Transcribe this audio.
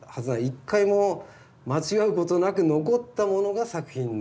一回も間違うことなく残ったものが作品なわけだから。